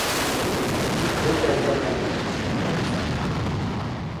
Тик бөтәһе лә бушҡа ғына булып сыҡты.